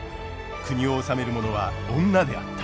国を治める者は女であった。